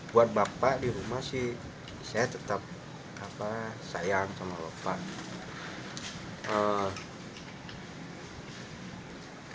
buat bapak di rumah sih saya tetap sayang kalau pak